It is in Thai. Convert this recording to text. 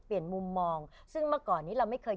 มุมมองซึ่งเมื่อก่อนนี้เราไม่เคย